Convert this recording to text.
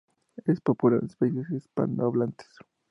Es popular en países hispanohablantes.